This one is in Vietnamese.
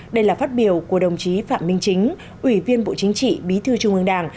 đây là phát biểu của đồng chí phạm minh chính ủy viên bộ chính trị bí thư trung ương đảng